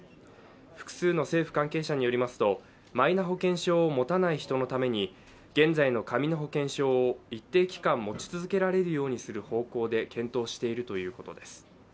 複数の政府関係者によりますとマイナ保険証を持たない人のために現在の紙の保険証を一定期間持ち続けられるようにする方向で検討しているということです。